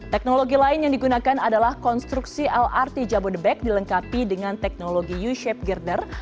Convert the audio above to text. teknologi lain yang digunakan adalah konstruksi lrt jabodebek dilengkapi dengan teknologi u shape girder